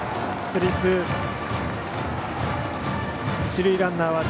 スリー、ツー。